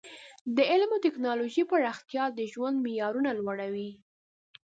د علم او ټکنالوژۍ پراختیا د ژوند معیارونه لوړوي.